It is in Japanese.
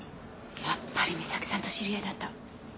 やっぱり美咲さんと知り合いだった。